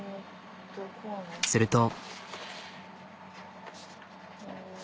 すると。